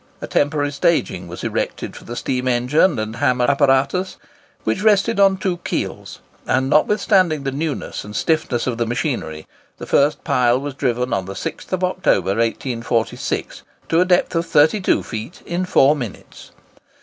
A temporary staging was erected for the steam engine and hammer apparatus, which rested on two keels, and, notwithstanding the newness and stiffness of the machinery, the first pile was driven on the 6th October, 1846, to a depth of 32 feet, in four minutes.